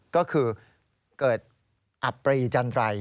ก็คือเกิดอับปรีจันรัย